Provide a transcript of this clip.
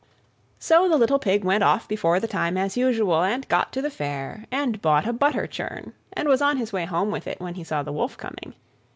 So the little Pig went off before the time, as usual, and got to the Fair, and bought a butter churn, and was on his way home with it when he saw the Wolf coming.